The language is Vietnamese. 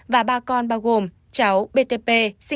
và ba con bao gồm cháu b t p